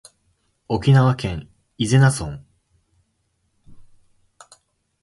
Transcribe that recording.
沖縄県伊是名村